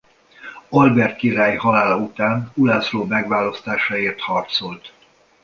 Albert király halála után Ulászló megválasztásáért harcolt.